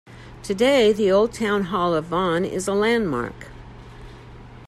Today, the old town hall of Vaughan is a landmark.